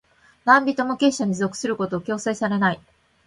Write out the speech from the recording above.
何人も、結社に属することを強制されない。